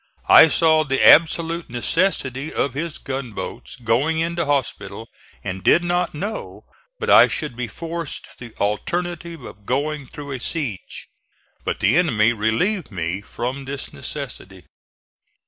I saw the absolute necessity of his gunboats going into hospital and did not know but I should be forced to the alternative of going through a siege. But the enemy relieved me from this necessity.